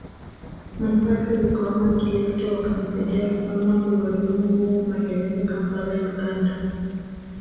Mapadre wakaona akili yake wakamsaidia kusoma ualimu huko Makerere Kampala Uganda